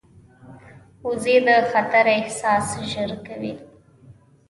وزې د خطر احساس ژر کوي